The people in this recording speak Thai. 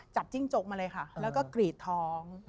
จิ้งจกมาเลยค่ะแล้วก็กรีดท้อง